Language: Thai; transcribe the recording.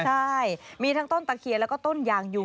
ใช่มีทั้งต้นตะเคียนแล้วก็ต้นยางอยู่